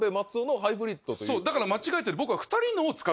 そうだから間違えてる。